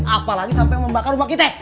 apalagi sampai membakar rumah kita